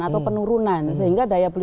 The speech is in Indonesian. atau penurunan sehingga daya beli